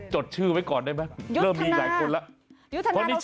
จดชื่อไว้ก่อนได้ไหมเริ่มมีหลายคนแล้ว